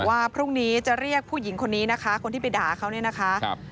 ว่าพรุ่งนี้จะเรียกผู้หญิงคนนี้นะคะคนที่ไปด่าเขาเนี่ยนะคะ